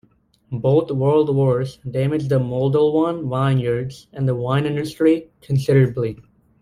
Both World Wars damaged the Moldolvan vineyards and the wine industry considerably.